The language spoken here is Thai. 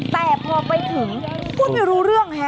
แต่พอไปถึงพูดไม่รู้เรื่องค่ะ